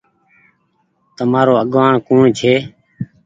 تمآرو آگوآڻ ڪوڻ ڇي۔